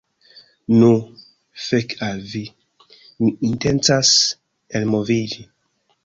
Nu, fek al vi, mi intencas elmoviĝi.